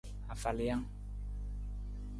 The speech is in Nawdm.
Afalijang.